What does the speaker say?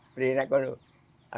berinak kalau beli apa